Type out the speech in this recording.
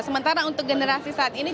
sementara untuk generasi saat ini